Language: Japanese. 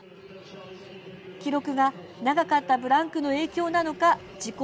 記録が長かったブランクの影響なのか自己